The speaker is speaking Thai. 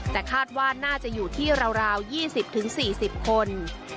แต่คาดว่าน่าจะอยู่ที่ราว๒๐๔๐คน